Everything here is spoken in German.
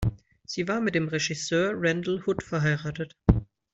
Sie war mit dem Regisseur Randall Hood verheiratet.